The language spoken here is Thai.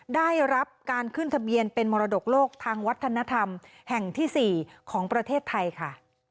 ได้รับการขึ้นทะเบียนเป็นมรดกโลกทางวัฒนธรรมแห่งที่๔ของประเทศไทยค่ะ